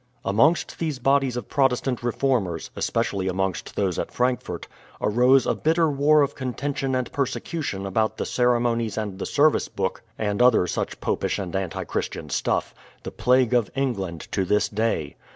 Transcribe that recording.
Amongst these bodies of protestant reformers — especially amongst those at Frankfort, — arose a bitter war of con tention and persecution about the ceremonies and the ser vice book and other such popish and anti Christian stufif, the plague of England to this day.